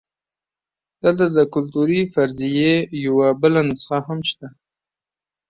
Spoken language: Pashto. دلته د کلتوري فرضیې یوه بله نسخه هم شته.